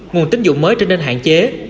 nguồn tín dụng mới trở nên hạn chế